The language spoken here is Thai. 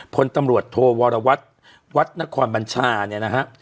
พลตำรวจโทวรวัตรวัดนครบัญชาเนี่ยนะฮะ